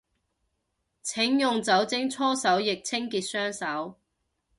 請用酒精搓手液清潔雙手